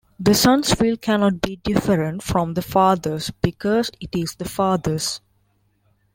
The Son's will cannot be different from the Father's because it is the Father's.